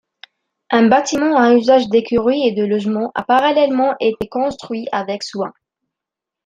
Un bâtiment à usage d'écurie et de logement a parallèlement été construit, avec soin.